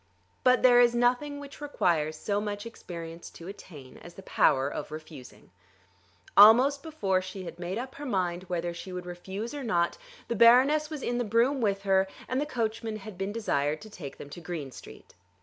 But there is nothing which requires so much experience to attain as the power of refusing. Almost before she had made up her mind whether she would refuse or not the Baroness was in the brougham with her, and the coachman had been desired to take them to Green Street.